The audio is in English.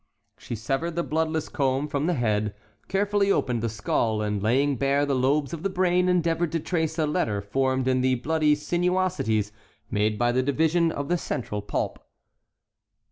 She severed the bloodless comb from the head, carefully opened the skull, and laying bare the lobes of the brain endeavored to trace a letter formed in the bloody sinuosities made by the division of the central pulp.